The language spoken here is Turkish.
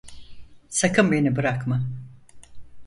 Sakın beni bırakma…